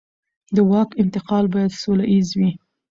د واک انتقال باید سوله ییز وي